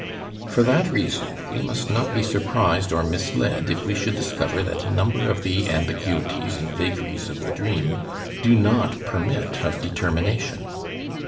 For that reason we must not be surprised or misled if we should discover that a number of the ambiguities and vagaries of the dream do not permit of determination.